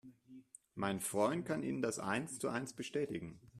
Mein Freund kann Ihnen das eins zu eins bestätigen.